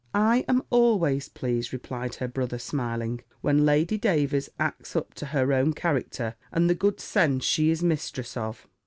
"I am always pleased," replied her brother, smiling, "when Lady Davers acts up to her own character, and the good sense she is mistress of."